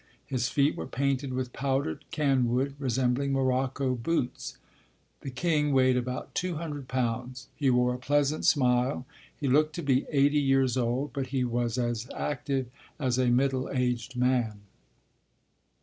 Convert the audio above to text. His feet were painted with powdered canwood, resembling morocco boots. The king weighed about 200 pounds. He wore a pleasant smile. He looked to be eighty years old, but he was as active as a middle aged man.